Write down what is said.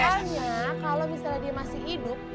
makanya kalau misalnya dia masih hidup